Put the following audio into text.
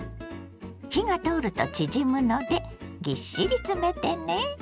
火が通ると縮むのでぎっしり詰めてね。